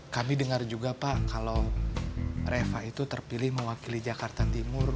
kami dengar juga pak kalau reva itu terpilih mewakili jakarta timur